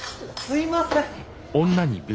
すいません。